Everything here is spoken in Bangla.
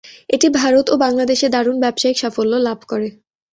এটি ভারত ও বাংলাদেশে দারুণ ব্যবসায়ীক সাফল্য লাভ করে।